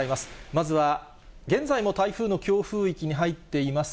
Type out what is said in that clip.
まずは現在も台風の強風域に入っています